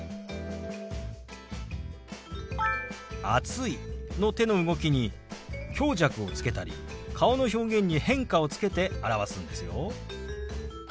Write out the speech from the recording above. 「暑い」の手の動きに強弱をつけたり顔の表現に変化をつけて表すんですよ。